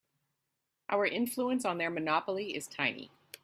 Our influence on their monopoly is tiny.